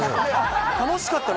楽しかったの？